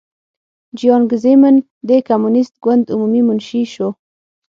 جیانګ زیمن د کمونېست ګوند عمومي منشي شو.